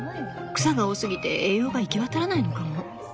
草が多すぎて栄養が行き渡らないのかも。